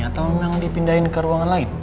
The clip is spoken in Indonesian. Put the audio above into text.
atau memang dipindahin ke ruangan lain